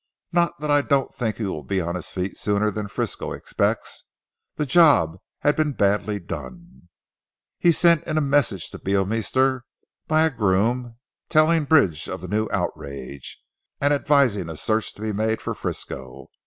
Not that I don't think he will be on his feet sooner than Frisco expects. The job had been badly done." He sent in a message to Beorminster by a groom, telling Bridge of the new outrage and advising a search to be made for Frisco.